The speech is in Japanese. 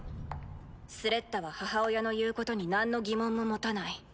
スレッタは母親の言うことになんの疑問も持たない。